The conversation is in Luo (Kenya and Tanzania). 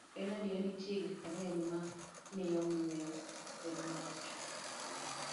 En adier ni nitie gik mang'eny ma miyo muya bedo marach.